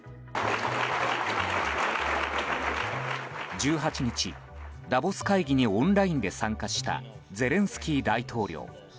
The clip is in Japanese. １８日、ダボス会議にオンラインで参加したゼレンスキー大統領。